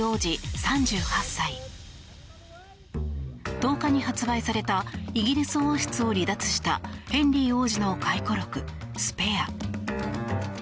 １０日に発売されたイギリス王室を離脱したヘンリー王子の回顧録「スペア」。